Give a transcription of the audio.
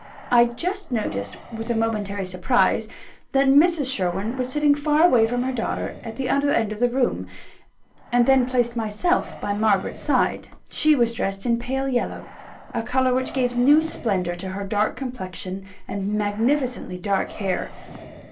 I just noticed with a momentary surprise that Mrs. Sherwin was sitting far away from her daughter, at the other end of the room; and then placed myself by Margaret's side. She was dressed in pale yellow a colour which gave new splendour to her dark complexion and magnificently dark hair.